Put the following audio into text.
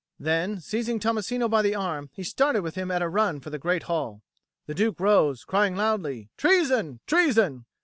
Then seizing Tommasino by the arm he started with him at a run for the great hall. The Duke rose, crying loudly, "Treason, treason!"